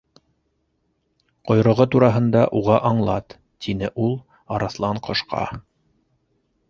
—Ҡойроғо тураһында уға аңлат, —тине ул Арыҫланҡошҡа.